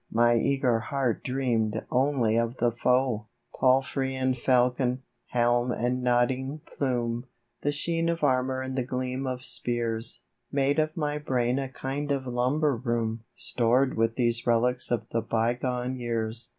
My eager heart dream*d only of the foe ! 50 To Palfrey and falcon — helm and nodding plume, The sheen of armour and the gleam of spears, Made of my brain a kind of lumber room Stored with these relics of the bygone years.